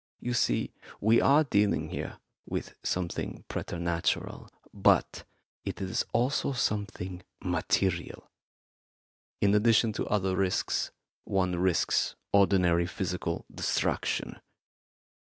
You see, we are dealing here with something preternatural, but it is also something material; in addition to other risks, one risks ordinary physical destruction.